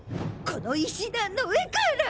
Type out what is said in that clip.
この石段の上から！